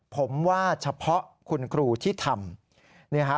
ผมว่าเฉพาะคุณครูที่ทำ